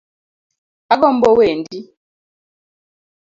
Agombo wendi.